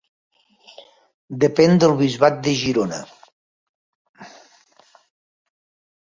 Depèn del bisbat de Girona.